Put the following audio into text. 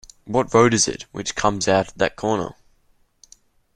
What road is it which comes out at that corner?